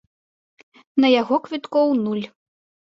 На яго квіткоў нуль.